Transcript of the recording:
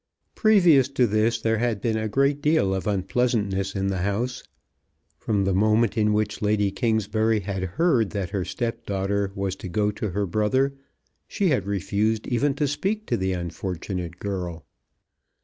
Previous to this there had been a great deal of unpleasantness in the house. From the moment in which Lady Kingsbury had heard that her stepdaughter was to go to her brother she had refused even to speak to the unfortunate girl.